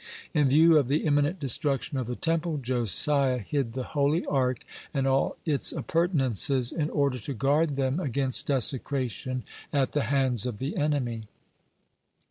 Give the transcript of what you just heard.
(117) In view of the imminent destruction of the Temple, Josiah hid the holy Ark and all its appurtenances, in order to guard them against desecration at the hands of the enemy.